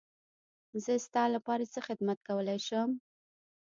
زه ستا لپاره څه خدمت کولی شم.